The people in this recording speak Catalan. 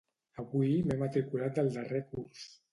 Avui m'he matriculat del darrer curs.